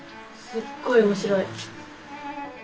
すっごい面白い！